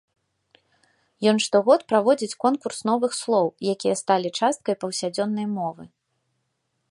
Ён штогод праводзіць конкурс новых слоў, якія сталі часткай паўсядзённай мовы.